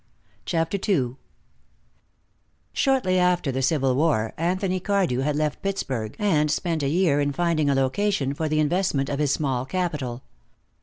CHAPTER II Shortly after the Civil War Anthony Cardew had left Pittsburgh and spent a year in finding a location for the investment of his small capital.